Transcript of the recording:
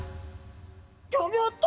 ギョギョッと！